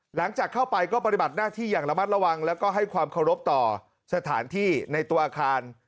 หลังจากเข้าไปก็ปฏิบัติหน้าที่อย่างระมัดระวังแล้วก็ให้ความเคารพต่อสถานที่ในตัวอาคาร